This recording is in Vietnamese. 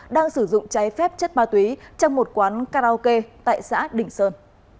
đang sử dụng cháy phép chất ma túy trong một quán karaoke tại xã đỉnh sơn